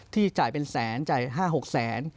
จ่ายเป็นแสนจ่าย๕๖แสน